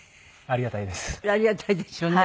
ありがたいですよね。